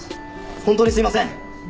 本当にすいません！